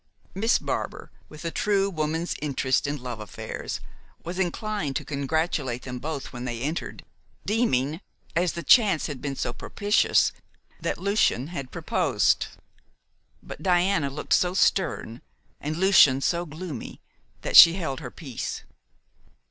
Miss Barbar, with a true woman's interest in love affairs, was inclined to congratulate them both when they entered, deeming as the chance had been so propitious that Lucian had proposed. But Diana looked so stern, and Lucian so gloomy, that she held her peace.